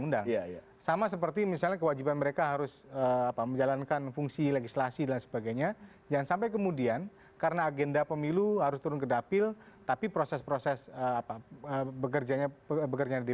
dan juga tidak merespon